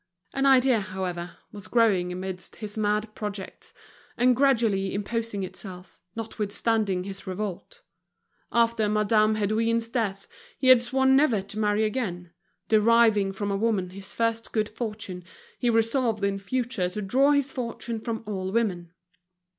An idea, however, was growing amidst his mad projects, and gradually imposing itself, notwithstanding his revolt. After Madame Hédouin's death he had sworn never to marry again; deriving from a woman his first good fortune, he resolved in future to draw his fortune from all women.